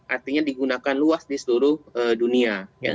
artinya digunakan luas di seluruh dunia